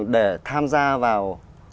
để tham gia vào